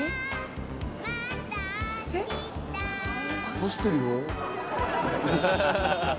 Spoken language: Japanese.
走ってるよ。